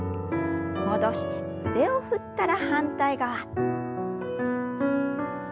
戻して腕を振ったら反対側。